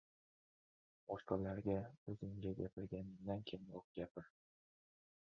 • Boshqalarga o‘zingga gapirganingdan kamroq gapir.